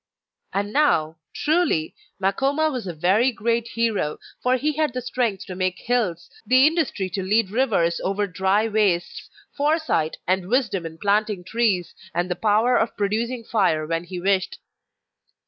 And now, truly, Makoma was a very great hero; for he had the strength to make hills, the industry to lead rivers over dry wastes, foresight and wisdom in planting trees, and the power of producing fire when he wished.